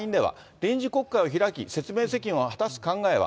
臨時国会を開き、説明責任を果たす考えは。